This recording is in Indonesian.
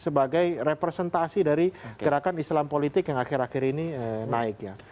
sebagai representasi dari gerakan islam politik yang akhir akhir ini naik ya